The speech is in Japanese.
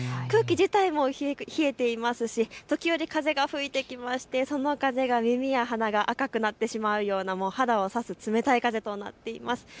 空気自体も冷えていますし時折、風が吹いてきましてその風が耳や鼻が赤くなってしまうような肌を刺すような冷たい風となっています。